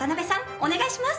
お願いします！